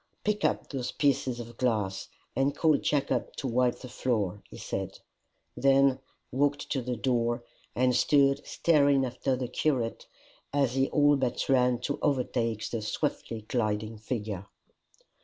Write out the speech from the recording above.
"Pick up those pieces of glass, and call Jacob to wipe the floor," he said then walked to the door, and stood staring after the curate as he all but ran to overtake the swiftly gliding figure.